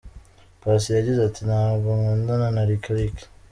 Paccy yagize ati”Ntabwo nkundana na Lick Lick”.